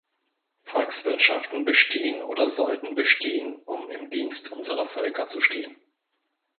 Volkswirtschaften bestehen oder sollten bestehen, um im Dienst unserer Völker zu stehen.